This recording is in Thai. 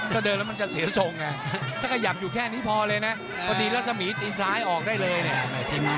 ก็เดินแล้วมันจะเสียทรงเนี่ยถ้าขยับอยู่แค่นี้พอเลยนะพอดีแล้วสมีทอีกซ้ายออกได้เลยเนี่ย